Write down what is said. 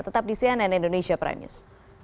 tetap di cnn indonesia prime news